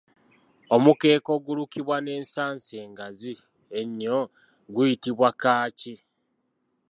Omukeeka ogulukibwa n’ensansa engazi ennyo guyitibwa Caaci.